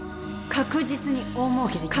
確実に大もうけできます。